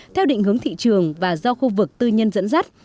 theo định hướng thị trường và do khu vực tư nhân dẫn dắt